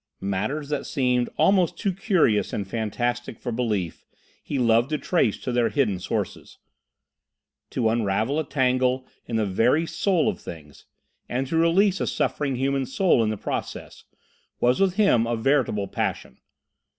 Matters that seemed almost too curious and fantastic for belief he loved to trace to their hidden sources. To unravel a tangle in the very soul of things—and to release a suffering human soul in the process—was with him a veritable passion.